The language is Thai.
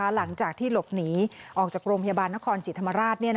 หลังจากที่หลบหนีออกจากโรงพยาบาลนครศรีธรรมราช